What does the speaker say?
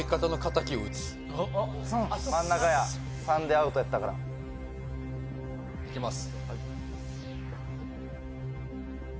真ん中や３でアウトやったからいきます